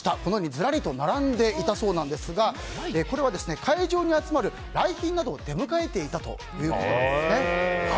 ずらりと並んでいたそうなんですがこれは、会場に集まる来賓などを出迎えていたということですね。